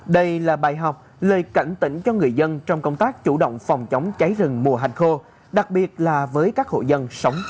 đây là bài học lời cảnh tỉnh cho người dân trong công tác chủ động phòng chống cháy rừng mùa hành khô đặc biệt là với các hộ dân sống